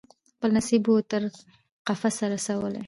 خپل نصیب وو تر قفسه رسولی